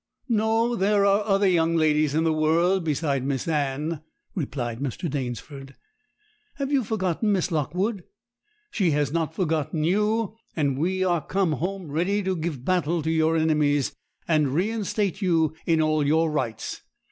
'No; there are other young ladies in the world beside Miss Anne!' replied Mr. Danesford. 'Have you forgotten Miss Lockwood? She has not forgotten you; and we are come home ready to give battle to your enemies, and reinstate you in all your rights.